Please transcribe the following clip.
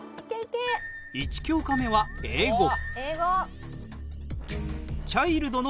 １教科目は英語。